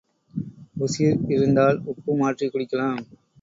உசிர் இருந்தால் உப்பு மாற்றிக் குடிக்கலாம்.